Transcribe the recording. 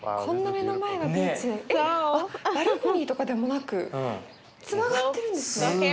えっバルコニーとかでもなくつながってるんですね。